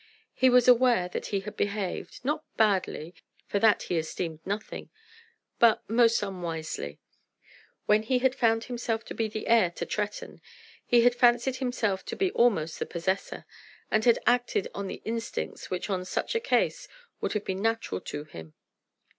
He was aware that he had behaved, not badly, for that he esteemed nothing, but most unwisely. When he had found himself to be the heir to Tretton he had fancied himself to be almost the possessor, and had acted on the instincts which on such a case would have been natural to him.